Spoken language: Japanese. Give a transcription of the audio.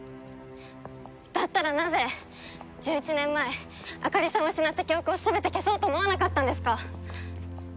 だったらなぜ１１年前あかりさんを失った記憶を全て消そうと思わなかったんですか？